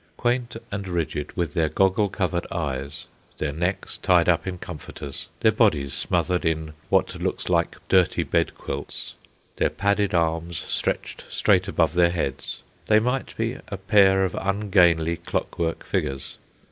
Quaint and rigid, with their goggle covered eyes, their necks tied up in comforters, their bodies smothered in what looks like dirty bed quilts, their padded arms stretched straight above their heads, they might be a pair of ungainly clockwork figures.